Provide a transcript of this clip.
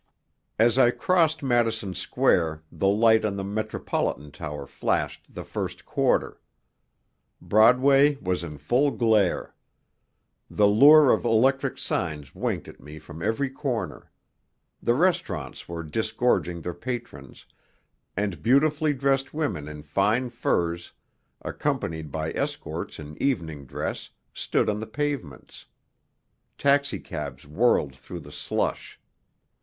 As I crossed Madison Square the light on the Metropolitan Tower flashed the first quarter. Broadway was in full glare. The lure of electric signs winked at me from every corner. The restaurants were disgorging their patrons, and beautifully dressed women in fine furs, accompanied by escorts in evening dress, stood on the pavements. Taxicabs whirled through the slush.